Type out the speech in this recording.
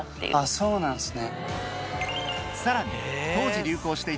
そうなんすね。